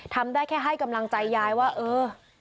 ทำได้แค่ให้กำลังใจยายว่าเออ